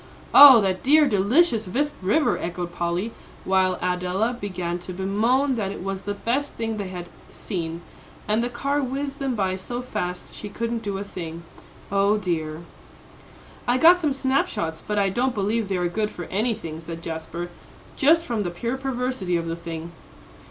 "Oh, that dear, delicious Visp River!" echoed Polly, while Adela began to bemoan that it was the best thing they had seen, and the car whizzed them by so fast, she couldn't do a thing O dear! "I got some snap shots, but I don't believe they are good for anything," said Jasper, "just from the pure perversity of the thing."